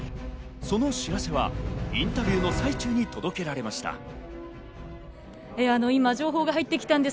その知らせはインタビューの最中に届けられました。